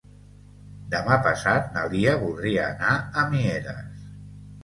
Demà passat na Lia voldria anar a Mieres.